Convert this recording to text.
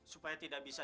supaya tidak bisa